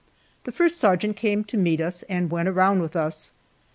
The first sergeant came to meet us, and went around with us.